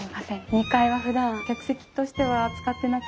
２階はふだん客席としては使ってなくて。